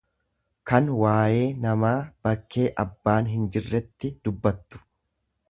kan waayee namaa bakkee abbaan hinjirretti dubbattu.